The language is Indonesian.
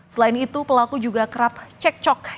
selain itu pelaku juga kerap cek cok